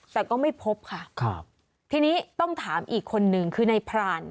แต่ก็ไม่พบค่ะครับทีนี้ต้องถามอีกคนนึงคือนายพราน